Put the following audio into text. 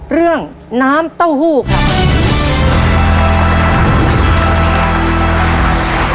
เรื่องน้ำเต้าหู้ครับ